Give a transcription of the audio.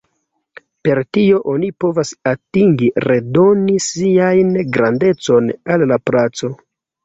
Per tio oni provas atingi redoni 'sian grandecon' al la placo.